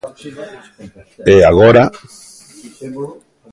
E agora?